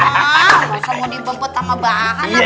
masa mau dibobot sama bahan apa